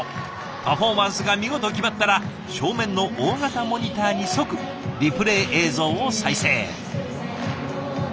パフォーマンスが見事決まったら正面の大型モニターに即リプレイ映像を再生。